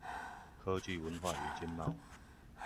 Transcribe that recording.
科技、文化與經貿